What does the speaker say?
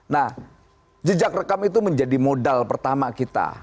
nah jejak rekam itu menjadi modal pertama kita